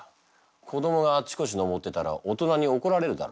子供があっちこち登ってたら大人に怒られるだろ。